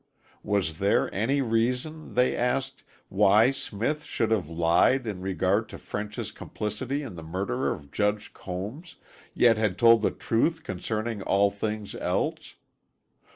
Was there any reason, they asked, why Smith should have lied in regard to French's complicity in the murder of Judge Combs, yet had told the truth concerning all things else.